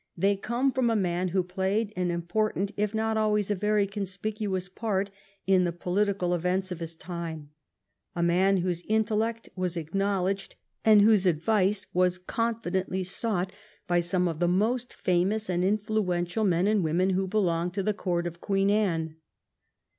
They come from a man who played an important, if not always a very conspicuous, part in the political events of his time — a man whose intellect was acknowledged, and whose 367 THE REIGN OF QUEEN ANNE advice was confidently sought by some of the most famous and influential men and women who belonged to the court of Queen Anne.